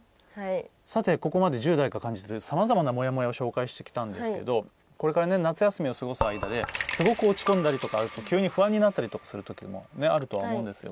さて、ここまで１０代が感じているさまざまなもやもやを紹介してきたんですけどこれから夏休みを過ごす間ですごく落ち込んだりとか急に不安になったりするときあると思うんですよ。